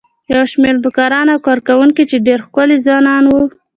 یو شمېر نوکران او کارکوونکي چې ډېر ښکلي ځوانان وو.